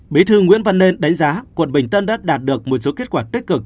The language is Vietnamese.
bị thưa nguyễn văn nên đánh giá quận bình tân đã đạt được một số kết quả tích cực